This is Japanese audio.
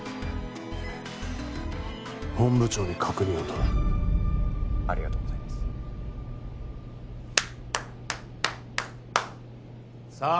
本部長に確認を取るありがとうございますさあ